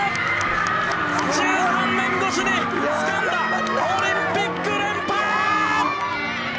１３年ごしでつかんだオリンピック連覇！